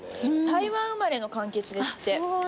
台湾生まれのかんきつですって。